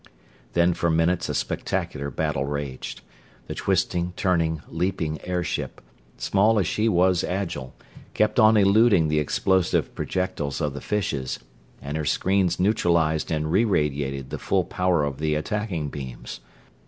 Then for minutes a spectacular battle raged. The twisting, turning, leaping airship, small as she was agile, kept on eluding the explosive projectiles of the fishes, and her screens neutralized and re radiated the full power of the attacking beams.